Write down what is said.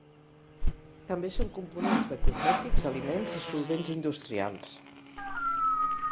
També són components de cosmètics, aliments, i solvents industrials.